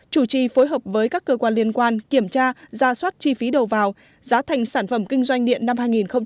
chủ trì phối hợp với các cơ quan liên quan kiểm tra ra soát chi phí đầu vào giá thành sản phẩm kinh doanh điện năm hai nghìn hai mươi